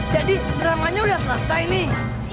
jadi dramanya udah selesai nih